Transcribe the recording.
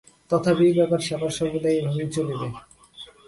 তথাপি ব্যাপার সর্বদা এইভাবেই চলিবে।